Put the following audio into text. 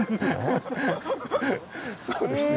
そうですね。